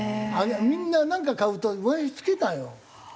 みんななんか買うともやし付けたよ。